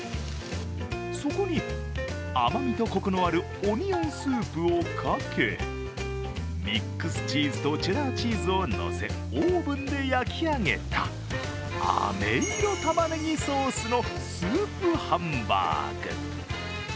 そこに甘みとコクのあるオニオンスープをかけ、ミックスチーズとチェダーチーズをのせオーブンで焼き上げたあめいろたまねぎソースのスープハンバーグ。